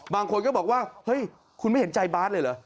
บางคนก็บอกว่าเฮ้ยคุณไม่เห็นใจบาทเลยเหรอ